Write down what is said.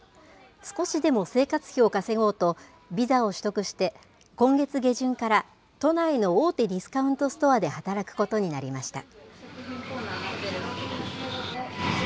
少しでも生活費を稼ごうと、ビザを取得して、今月下旬から、都内の大手ディスカウントストアで働くことになりました。